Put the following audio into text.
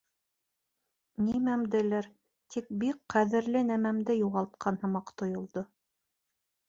Нимәмделер, тик бик ҡәҙерле нәмәмде, юғалтҡан һымаҡ тойолдо.